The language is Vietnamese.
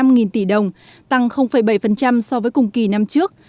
ba sáu trăm bảy mươi ba năm nghìn tỷ đồng tăng bảy so với cùng kỳ năm trước